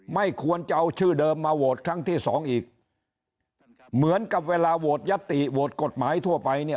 ไม่ควรจะเอาชื่อเดิมมาโหวตครั้งที่สองอีกเหมือนกับเวลาโหวตยติโหวตกฎหมายทั่วไปเนี่ย